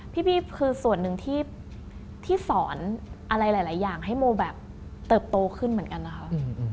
พี่คือส่วนหนึ่งที่สอนอะไรหลายอย่างให้โมแบบเติบโตขึ้นเหมือนกันนะคะ